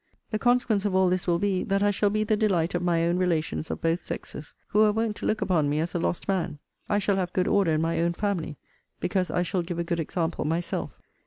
The consequence of all this will be, that I shall be the delight of my own relations of both sexes, who were wont to look upon me as a lost man. I shall have good order in my own family, because I shall give a good example myself.